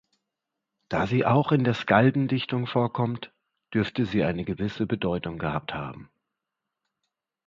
Da sie auch in der Skaldendichtung vorkommt, dürfte sie eine gewisse Bedeutung gehabt haben.